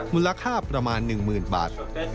มูลค่าประมาณ๑๐๐๐บาท